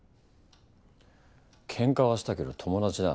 けんかはしたけど友達だ。